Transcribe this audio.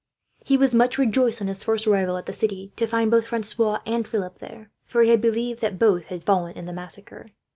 He was much rejoiced, on his first arrival at the city, to find both Francois and Philip there; for he had believed that both had fallen in the massacre.